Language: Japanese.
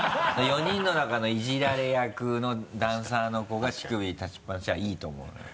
４人の中のいじられ役のダンサーの子が乳首立ちっぱなしはいいと思うのよ。